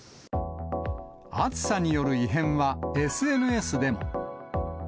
暑さによる異変はＳＮＳでも。